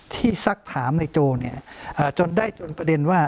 ซักถามในโจจนได้จนประเด็นว่า